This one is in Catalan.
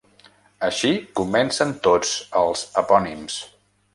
Així comencen tots els epònims.